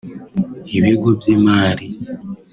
ibigo by’imari